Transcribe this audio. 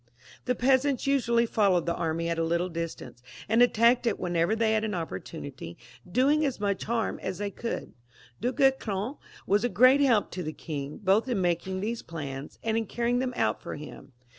The pea sants usually followed the army at a little distance, and attacked it whenever they had an opportunity, doing as much harm as they could. Du Guesclin was a great help to the king, both in making these plans and in carrying them out for him.